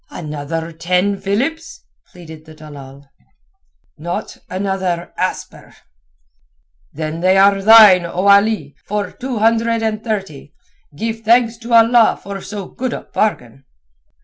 "Another ten philips?" pleaded the dalal. "Not another asper." "They are thine, then, O Ali, for two hundred and thirty. Give thanks to Allah for so good a bargain."